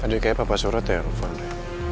tadi kayak apa pak surat ya